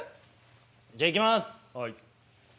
じゃあいきます！